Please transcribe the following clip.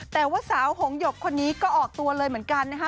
แต่ว่าสาวหงหยกคนนี้ก็ออกตัวเลยเหมือนกันนะคะ